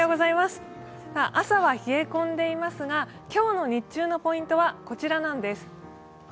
朝は冷え込んでいますが、今日の日中のポイントはこちらなんです。